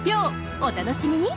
お楽しみに！